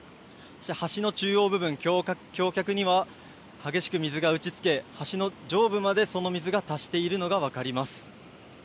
橋の中央部分、橋脚には激しく水が打ちつけ橋の上部までその水が達しているのが分かります。